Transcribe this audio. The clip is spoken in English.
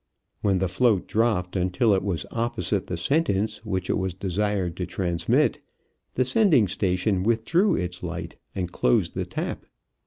When the float dropped until it was opposite the sentence which it was desired to transmit, the sending station withdrew its light and closed the tap.